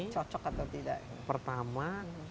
cocok atau tidak pertama